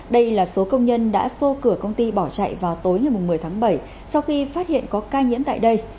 đây là số công nhân đã xô cửa công ty bỏ chạy vào tối ngày một mươi tháng bảy sau khi phát hiện có ca nhiễm tại đây